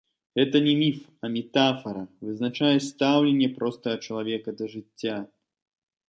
Гэта не міф, а метафара, вызначае стаўленне простага чалавека да жыцця.